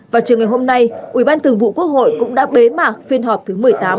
vào chiều ngày hôm nay ủy ban thường vụ quốc hội cũng đã bế mạc phiên họp thứ một mươi tám